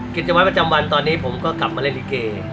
กิจจำไว้ประจำวันตอนนี้ผมก็กลับมาเล่นลิเกอี๊ก